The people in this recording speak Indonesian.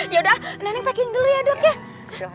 yaudah nenek packing dulu ya dok ya